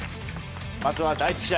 まずは第１試合。